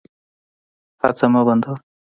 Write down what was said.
هڅه مه بندوه.